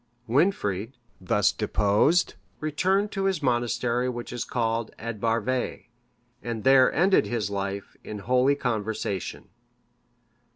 (577) Wynfrid, thus deposed, returned to his monastery which is called Ad Barvae,(578) and there ended his life in holy conversation.